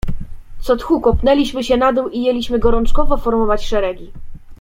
"Co tchu kopnęliśmy się na dół i jęliśmy gorączkowo formować szeregi."